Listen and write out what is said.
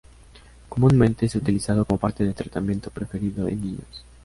Comúnmente es utilizado como parte del tratamiento preferido en niños.